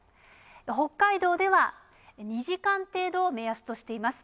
北海道では２時間程度を目安としています。